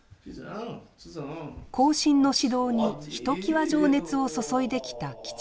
後進の指導にひときわ情熱を注いできた吉右衛門さん。